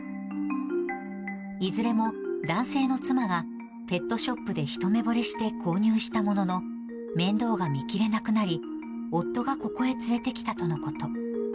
いずれも男性の妻がペットショップで一目ぼれして購入したものの、面倒が見きれなくなり、夫がここへ連れてきたとのこと。